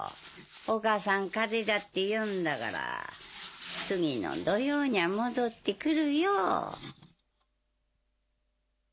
お母さん風邪だっていうんだから次の土曜にゃ戻って来るよぉ。